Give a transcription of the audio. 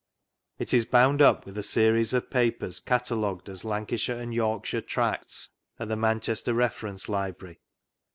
It is bound up with a series of papers catalogued as " Lancashire and York shire Tracts," at the Manchester Reference Library.